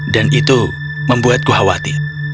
dan itu membuatku khawatir